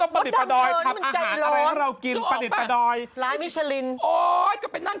มันรู้จริงนะทอ